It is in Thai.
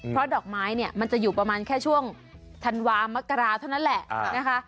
เพราะดอกไม้เนี่ยมันจะอยู่ประมาณแค่ช่วงธันวามกราเท่านั้นแหละนะคะ